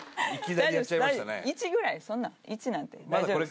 大丈夫１ぐらいそんな１なんて大丈夫です